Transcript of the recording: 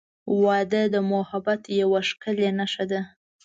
• واده د محبت یوه ښکلی نښه ده.